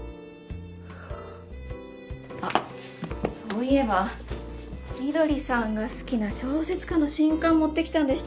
あそういえば翠さんが好きな小説家の新刊持ってきたんでした。